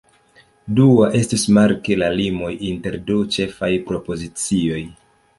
Dua estus marki la limon inter du ĉefaj propozicioj.